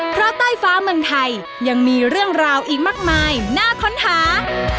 เพราะใต้ฟ้าเมืองไทยยังมีเรื่องราวอีกมากมายน่าค้นหา